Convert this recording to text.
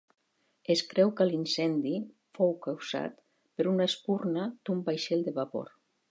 Es creu que l'incendi fou causat per una espurna d'un vaixell de vapor.